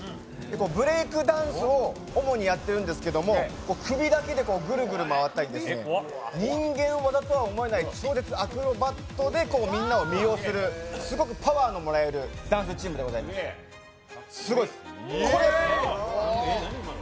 ブレイクダンスを主にやってるんですけど首だけでぐるぐる回ったり、人間業とは思えない、超絶アクロバットでみんなを魅了するすごくパワーがもらえるダンスチームでございます、すごいです。